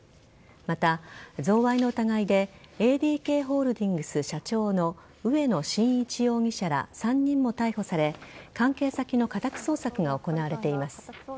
また、贈賄の疑いでＡＤＫホールディングス社長の植野伸一容疑者ら３人も逮捕され関係先の家宅捜索が行われています。